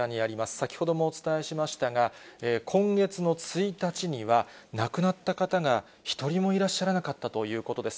先ほどもお伝えしましたが、今月の１日には、亡くなった方が１人もいらっしゃらなかったということです。